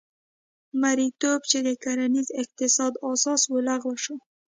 مریتوب چې د کرنیز اقتصاد اساس و لغوه شو.